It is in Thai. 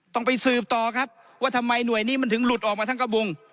ต้องไปสืบต่อครับว่าทำไมหน่วยนี้มันถึงหลุดออกมาทั้งกระบุง